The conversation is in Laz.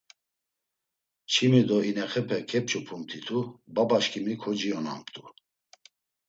Çimi do inexepe epç̌opumt̆itu, babaşǩimi kociyonamt̆u.